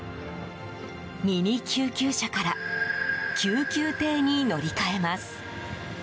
ミニ救急車から救急艇に乗り換えます。